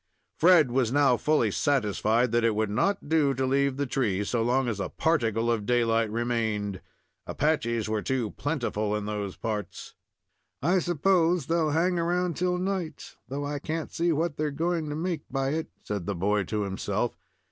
Fred was now fully satisfied that it would not do to leave the tree so long as a particle of daylight remained. Apaches were too plentiful in those parts. "I s'pose they'll hang around till night, though I can't see what they're going to make by it," said the boy to himself.